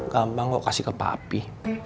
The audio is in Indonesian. gampang kok kasih ke papi